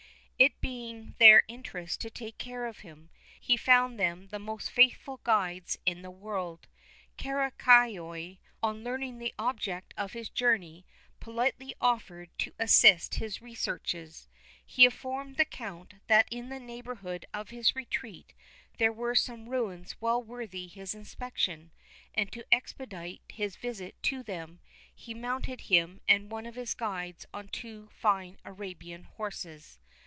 It being their interest to take care of him, he found them the most faithful guides in the world. Caracayoli, on learning the object of his journey, politely offered to assist his researches. He informed the Count that in the neighbourhood of his retreat there were some ruins well worthy his inspection, and to expedite his visit to them, he mounted him and one of his guides on two fine Arabian horses.